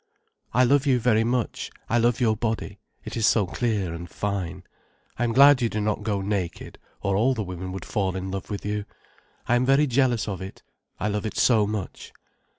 "I love you very much. I love your body. It is so clear and fine. I am glad you do not go naked, or all the women would fall in love with you. I am very jealous of it, I love it so much."